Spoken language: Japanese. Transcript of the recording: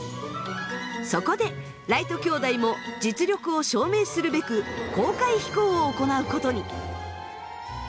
そこでライト兄弟も実力を証明するべく公開飛行を行うことに。